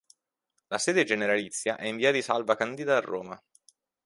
La sede generalizia è in via di Salva Candida a Roma.